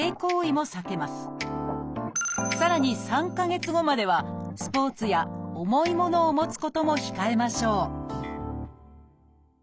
さらに３か月後まではスポーツや重いものを持つことも控えましょう